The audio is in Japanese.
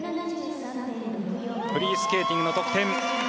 フリースケーティングの得点。